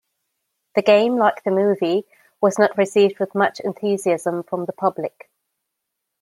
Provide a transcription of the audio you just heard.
The game, like the movie, was not received with much enthusiasm from the public.